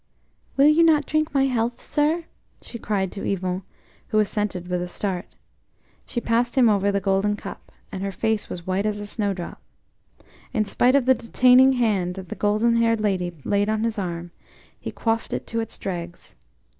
"Will you not drink my health, sir?" she cried to Yvon, who assented with a start. She passed him over the golden cup, and her face was white as a snowdrop. In spite of the detaining hand that the golden haired lady laid on his arm, he quaffed it to its dregs.